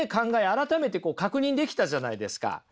改めてこう確認できたじゃないですか。